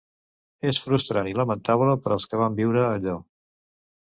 És frustrant i lamentable per als que vam viure allò.